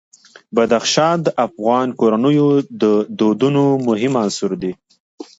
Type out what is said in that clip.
بدخشان د افغان کورنیو د دودونو مهم عنصر دی.